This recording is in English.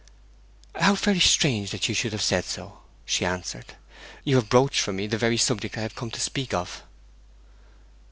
'How very strange that you should have said so!' she answered. 'You have broached for me the very subject I had come to speak of.'